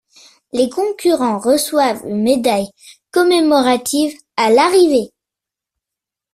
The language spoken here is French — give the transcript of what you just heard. Les concurrents reçoivent une médaille commémorative à l'arrivée.